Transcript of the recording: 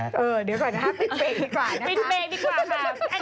เออเดี๋ยวก่อนนะฮะปิดเบรกดีกว่านะฮะ